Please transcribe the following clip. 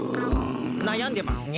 なやんでますね。